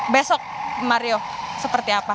besok mario seperti apa